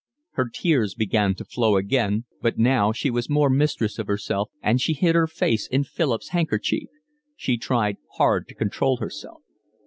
Her tears began to flow again, but now she was more mistress of herself, and she hid her face in Philip's handkerchief. She tried hard to control herself.